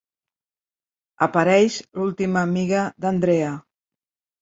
Apareix l'última amiga d'Andrea.